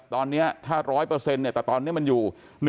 ตอนนี้ถ้า๑๐๐แต่ตอนนี้มันอยู่